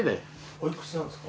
おいくつなんですか？